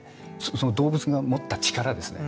その動物が持った力ですね